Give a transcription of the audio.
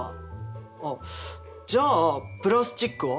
あっじゃあプラスチックは？